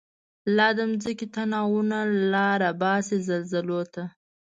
لا د مځکی تناوونه، لاره باسی زلزلوته